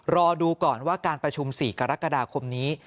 รอดูก่อนว่าการประชุม๔กรกฎาคมนี้